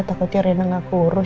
takutnya rena gak keurus